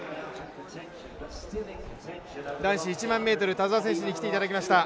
男子１００００ｍ、田澤選手に来ていただきました。